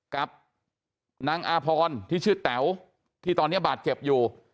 กับนางอาพรที่ชื่อแต๋วที่ตอนนี้บาดเจ็บอยู่